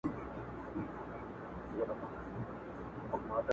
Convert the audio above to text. • چي لا اوسي دلته قوم د جاهلانو -